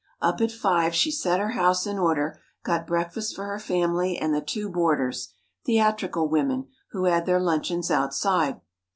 Up at five, she set her house in order, got breakfast for her family and the two boarders—theatrical women, who had their luncheons outside.